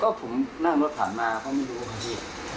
ก็ผมนั่งบ้านพามาก็ไม่รู้ค่ะพี่